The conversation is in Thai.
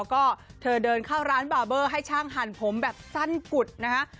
ก็เธอเดินเข้าร้านบาร์เบอร์ให้ช่างหั่นผมแบบสั้นกุดนะฮะ